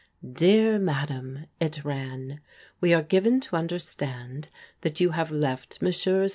" Dear Madam, (it ran) " We are given to understand that you have left Messrs.